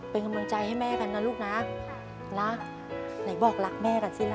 เป็นกำลังใจให้แม่กันนะลูกนะไหนบอกรักแม่กันสิล่ะ